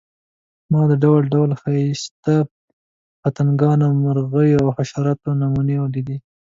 ما د ډول ډول ښایسته پتنګانو، مرغیو او حشراتو نمونې ولیدې.